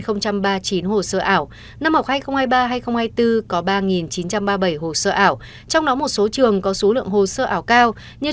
trong đó một số trường có số lượng hồ sơ ảo cao như trung học phổ thông nguyễn văn lê